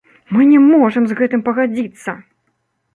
Мы не можам з гэтым пагадзіцца!